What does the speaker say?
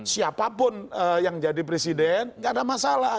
siapapun yang jadi presiden nggak ada masalah